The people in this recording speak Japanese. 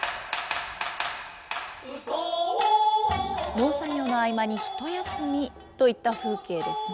農作業の合間に一休みといった風景ですね。